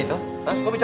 itu yang bener aja